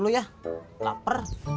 aku yang bikin ini